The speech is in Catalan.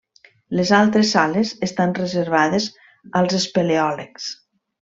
Les altres sales estan reservades als espeleòlegs.